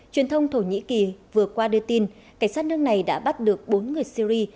truyền thông thổ nhĩ kỳ vừa qua đưa tin cảnh sát nước này đã bắt được bốn người syri